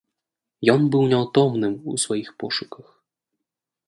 Ён быў няўтомным у сваіх пошуках.